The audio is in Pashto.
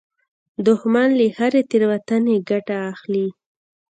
دښمن له هرې تېروتنې ګټه اخلي